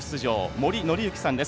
森紀之さんです。